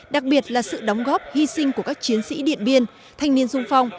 đặc biệt là sự đóng góp hy sinh của các chiến sĩ điện biên thanh niên sung phong